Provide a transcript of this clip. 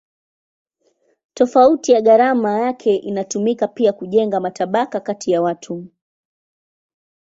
Tofauti ya gharama yake inatumika pia kujenga matabaka kati ya watu.